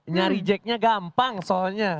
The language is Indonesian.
nyari jacknya gampang soalnya